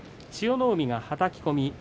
千代の海が、はたき込み。